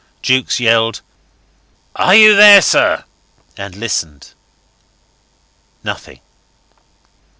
Jukes yelled "Are you there, sir?" and listened. Nothing.